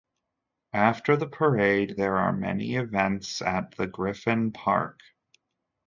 After the parade, there are many events at the Griffin Park.